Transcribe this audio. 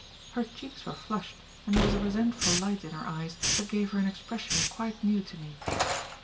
Her cheeks were flushed and there was a resentful light in her eyes that gave her an expression quite new to me.